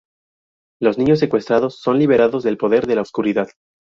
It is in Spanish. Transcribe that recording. Los niños secuestrados son liberados del poder de la oscuridad.